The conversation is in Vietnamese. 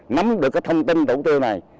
nắm được cái thông tin thủ tiêu này